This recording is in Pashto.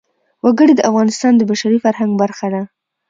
وګړي د افغانستان د بشري فرهنګ برخه ده.